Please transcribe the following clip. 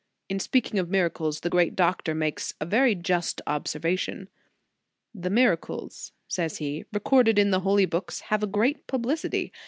In speaking of miracles, the great doctor makes a very just observation. "The miracles," says he, "recorded in the holy books, have a great publicity.